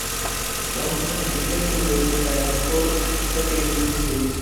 Johanson retained the latter title for her television series.